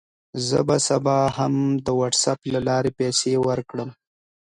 زه به سبا هم د وټساپ له لارې پیسې ورکړم.